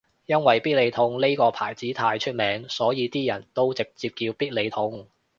因為必理痛呢個牌子太出名所以啲人都直接叫必理痛